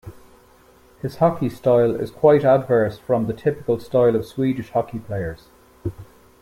His hockey style is quite adverse from the typical style of Swedish hockey players.